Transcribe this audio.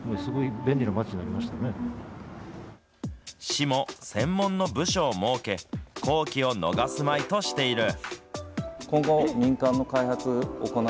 市も、専門の部署を設け、好機を逃すまいとしている。